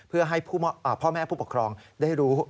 เพื่อให้พ่อแม่ผู้ปกครองได้รู้